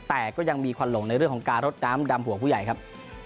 แต่ก็ยังมีควันหลงในเรื่องของการรดน้ำดำหัวผู้ใหญ่ครับ